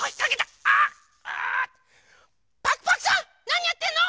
なにやってんの？